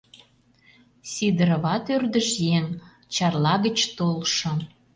Сидороват ӧрдыж еҥ — Чарла гыч толшо.